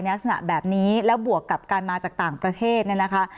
ลักษณะแบบนี้แล้วบวกกับการมาจากต่างประเทศเนี่ยนะคะ